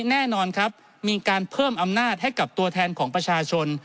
แน่นอนครับมีการเพิ่มอำนาจให้กับตัวแทนของประชาชน